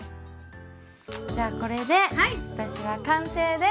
じゃあこれで私は完成です！